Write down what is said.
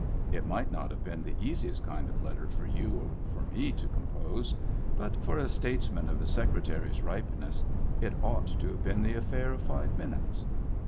It might not have been the easiest kind of letter for you or for me to compose; but for a statesman of the Secre tary's ripeness it ought to have been the a£Eair of five minutes.